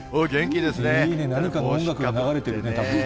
いいね、何かの音楽が流れてるね、たぶんね。